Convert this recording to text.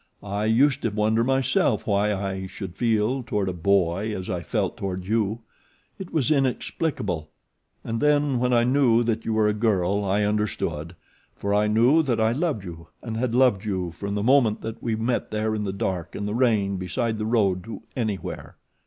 "I used to wonder myself why I should feel toward a boy as I felt toward you, it was inexplicable, and then when I knew that you were a girl, I understood, for I knew that I loved you and had loved you from the moment that we met there in the dark and the rain beside the Road to Anywhere."